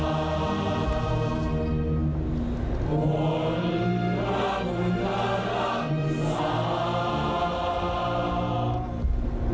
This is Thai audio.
มันกระพุทธรรมสาว